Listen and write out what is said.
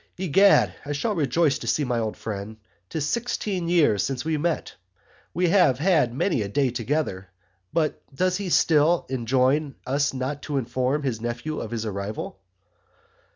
Egad I shall rejoice to see my old Friend 'Tis sixteen years since we met We have had many a Day together but does he still enjoin us not to inform his Nephews of his Arrival?